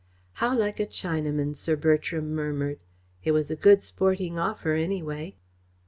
"How like a Chinaman," Sir Bertram murmured. "It was a good sporting offer, anyway."